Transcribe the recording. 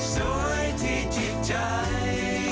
สวยที่จิตใจ